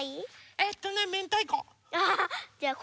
えっとねめんたいこ。